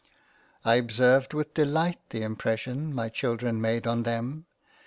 I observed with delight the impression my Children made on them —